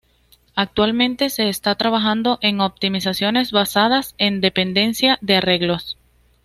Actualmente se está trabajando en optimizaciones basadas en dependencia de arreglos.